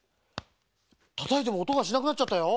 たたいてもおとがしなくなっちゃったよ。